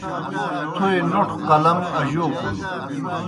تھوئے نوٹھو قلم آ جوْکُن۔